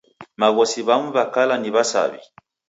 Maghosi w'amu w'a kala ni wa'saw'i.